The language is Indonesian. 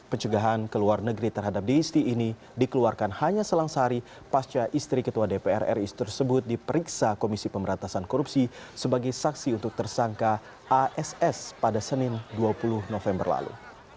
pencegahan ke luar negeri terhadap diisti ini dikeluarkan hanya selang sehari pasca istri ketua dpr ri tersebut diperiksa komisi pemberantasan korupsi sebagai saksi untuk tersangka ass pada senin dua puluh november lalu